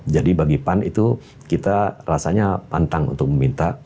jadi bagi pan itu kita rasanya pantang untuk meminta